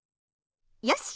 よし！